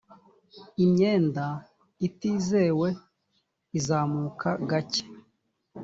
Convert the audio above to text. imyenda itizewe izamuka gake